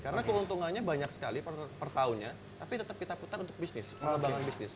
karena keuntungannya banyak sekali per tahunnya tapi tetap kita putar untuk bisnis pembangunan bisnis